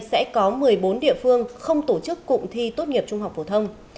sẽ có một mươi bốn địa phương không tổ chức cụm thi tốt nghiệp trung học phổ thông